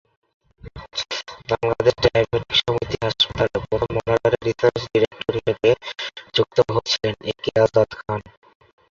Bangladesh diabetic সমিতি হাসপাতালে প্রথমে অনারারি রিসার্চ ডিরেক্টর হিসেবে যুক্ত হয়েছিলেন এ কে আজাদ খান।